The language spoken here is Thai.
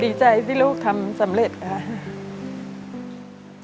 ดีใจที่ลูกทำสำเร็จค่ะ